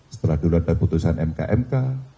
setelah dulu ada keputusan mk mk